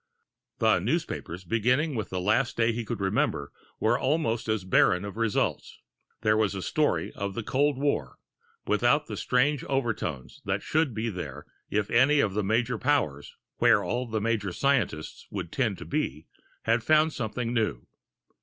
The newspapers, beginning with the last day he could remember, were almost as barren of results. There was the story of the cold war, without the strange overtones that should be there if any of the major powers where all the major scientists would tend to be had found something new.